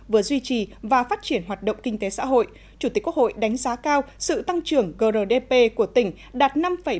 vừa duy trì và phát triển hoạt động kinh tế xã hội chủ tịch quốc hội đánh giá cao sự tăng trưởng grdp của tỉnh đạt năm ba mươi